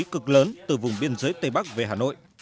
một lực lớn từ vùng biên giới tây bắc về hà nội